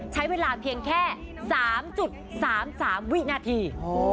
ใช้เวลาเพียงแค่๓๓วินาที